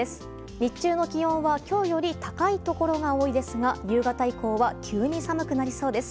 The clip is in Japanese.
日中の気温は今日より高いところが多いですが夕方以降は急に寒くなりそうです。